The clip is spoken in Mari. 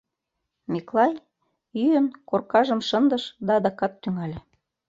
Миклай, йӱын, коркажым шындыш да адакат тӱҥале.